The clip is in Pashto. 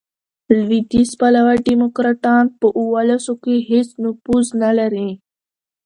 لوېدیځ پلوه ډیموکراټان، په اولسو کښي هیڅ نفوذ نه لري.